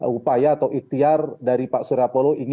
upaya atau ikhtiar dari pak suriapolo ini